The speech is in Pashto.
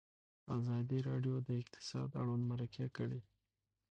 ازادي راډیو د اقتصاد اړوند مرکې کړي.